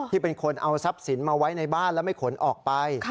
เป็นคนเอาทรัพย์สินมาไว้ในบ้านแล้วไม่ขนออกไป